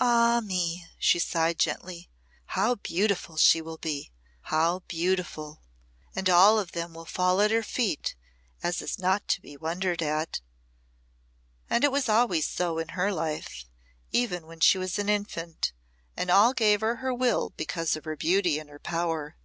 "Ah me," she sighed gently, "how beautiful she will be! How beautiful! And all of them will fall at her feet, as is not to be wondered at. And it was always so all her life, even when she was an infant, and all gave her her will because of her beauty and her power.